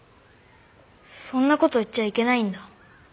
そんな事言っちゃいけないんだ。